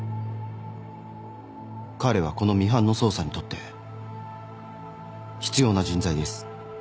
彼はこのミハンの捜査にとって必要な人材です。